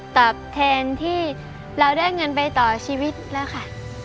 ตอบแทนที่เราได้เงินไปต่อชีวิตแล้วค่ะ